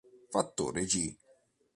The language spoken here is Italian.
Fattore g